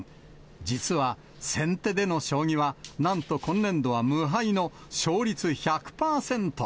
実は、先手での将棋は、なんと今年度は無敗の勝率１００％。